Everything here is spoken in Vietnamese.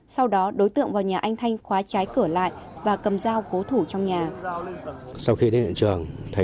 sau đó đối tượng vào nhà anh thanh khóa trái cửa lại và cầm dao cố thụ trong nhà